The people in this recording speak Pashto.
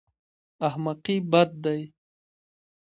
احمقي بد دی.